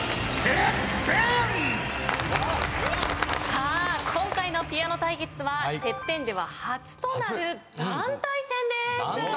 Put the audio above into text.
さあ今回のピアノ対決は『ＴＥＰＰＥＮ』では初となる団体戦です。